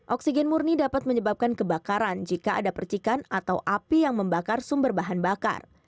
oksigen murni dapat menyebabkan kebakaran jika ada percikan atau api yang membakar sumber bahan bakar